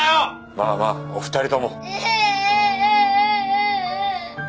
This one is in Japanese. まあまあお二人とも。